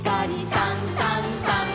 「さんさんさん」